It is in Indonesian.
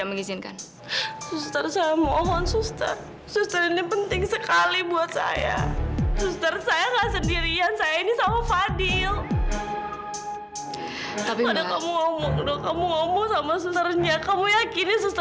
aku mau buktiin sama kamu